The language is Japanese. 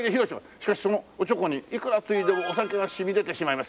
「しかしそのおちょこにいくらついでもお酒が染み出てしまいます」